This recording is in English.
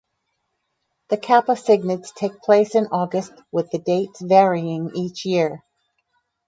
The Kappa Cygnids take place in August, with the dates varying each year.